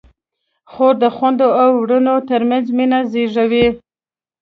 خور د خویندو او وروڼو ترمنځ مینه زېږوي.